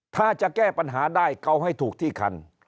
ถ้าจะแก้ปัญหาได้เอาให้ถูกที่คัน